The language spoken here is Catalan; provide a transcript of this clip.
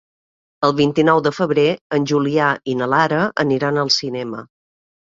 El vint-i-nou de febrer en Julià i na Lara aniran al cinema.